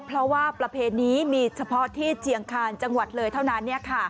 เพราะว่าประเพณีมีเฉพาะที่เจียงคาญจังหวัดเลยเท่านั้น